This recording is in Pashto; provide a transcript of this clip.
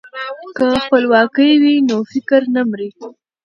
که خپلواکي وي نو فکر نه مري.